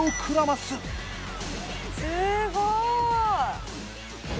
すごい！